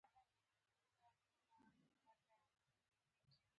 په کلیوالي سیمو کې مالداري؛ کرهڼه او بڼوالي د عوایدو مهمې سرچینې دي.